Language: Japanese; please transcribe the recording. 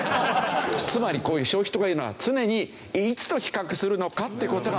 つまりこういう消費とかいうのは常にいつと比較するのかって事が問題なんだという。